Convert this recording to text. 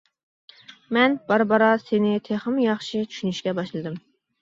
مەن بارا-بارا سېنى تېخىمۇ ‹ ‹ياخشى› › چۈشىنىشكە باشلىدىم.